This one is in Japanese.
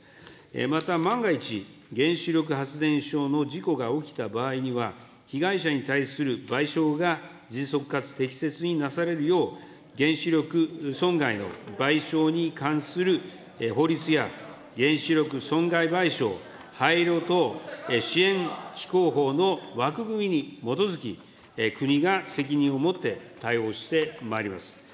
また、万が一、原子力発電所の事故が起きた場合には、被害者に対する賠償が迅速かつ適切になされるよう、原子力損害の賠償に関する法律や、原子力損害賠償廃炉等支援機構法の枠組みに基づき、国が責任を持って対応してまいります。